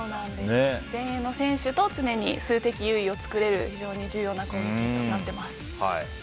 前衛の選手と常に数的優位を作れる非常に重要な攻撃になっています。